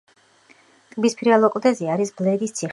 ტბის ფრიალო კლდეზე არის ბლედის ციხე-სიმაგრე.